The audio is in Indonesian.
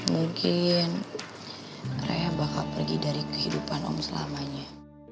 mungkin raya bakal pergi dari kehidupan om selamanya